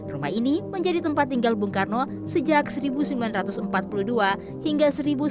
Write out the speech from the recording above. rumah ini menjadi tempat tinggal bung karno sejak seribu sembilan ratus empat puluh dua hingga seribu sembilan ratus sembilan puluh